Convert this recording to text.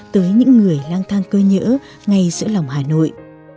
tới những người lang thang cơ nhỡ ngay giữa lòng hà nội